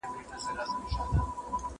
زه سبزیجات نه وچوم